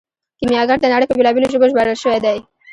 کیمیاګر د نړۍ په بیلابیلو ژبو ژباړل شوی دی.